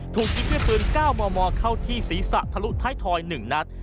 ถูกกินเพื่อปืนก้าวมอมอเข้าที่ศีรษะทะลุท้ายทอย๑นัด